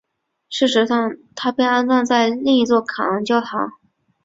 事实上她被安葬在另一座卡昂的教堂。